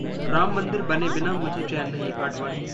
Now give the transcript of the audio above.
राम मंदिर बने बिना मुझे चैन नहीं: आडवाणी